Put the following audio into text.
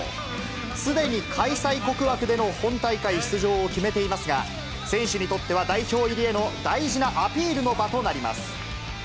すでに開催国枠での本大会出場を決めていますが、選手にとっては、代表入りへの大事なアピールの場となります。